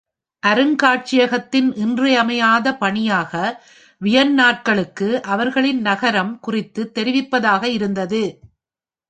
அருங்காட்சியகத்தின் இன்றியமையாத பணியாக வியன்னாக்களுக்கு அவர்களின் நகரம் குறித்து தெரிவிப்பதாக இருந்தது.